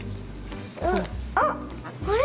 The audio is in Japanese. あっあれ？